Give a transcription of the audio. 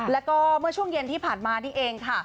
แล้วก็เมื่อช่วงเย็นที่ผ่านมานี่เองค่ะ